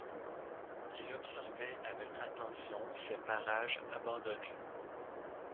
Il observait avec attention ces parages abandonnés.